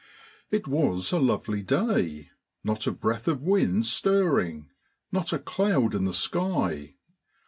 It was a lovely day, not a breath of wind stirring, not a cloud in the sky.